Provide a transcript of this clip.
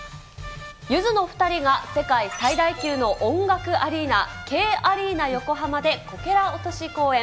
ゆずのお２人が世界最大級の音楽アリーナ、Ｋアリーナ横浜でこけら落とし公演。